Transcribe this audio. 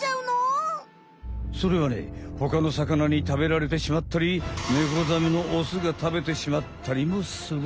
それはねほかのさかなに食べられてしまったりネコザメのオスが食べてしまったりもする！